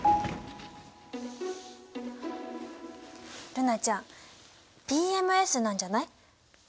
瑠菜ちゃんＰＭＳなんじゃない？